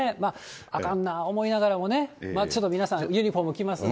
あかんなー思いながらもね、ちょっと皆さん、ユニホーム着ますんで。